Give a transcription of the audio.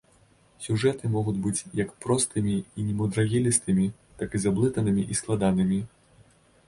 Сюжэты могуць быць як простымі і немудрагелістымі, так і заблытанымі і складанымі.